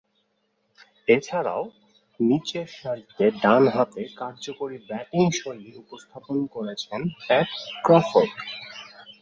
এছাড়াও, নিচেরসারিতে ডানহাতে কার্যকরী ব্যাটিংশৈলী উপস্থাপন করেছেন প্যাট ক্রফোর্ড।